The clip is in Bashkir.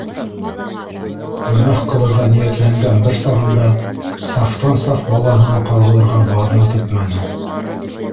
Гонаһ ҡылырға ниәтләнгән бер сағында сафтан-саф балаһына ҡағылырға баҙнат итмәне.